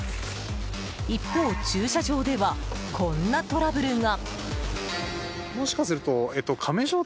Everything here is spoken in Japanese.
一方、駐車場ではこんなトラブルが。